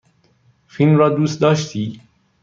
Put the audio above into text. فیلم را دوست داشتی؟